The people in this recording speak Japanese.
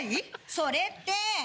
それって。